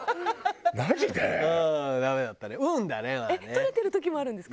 録れてる時もあるんですか？